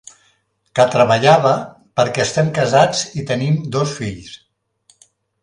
Que treballava, perquè estem casats i tenim dos fills.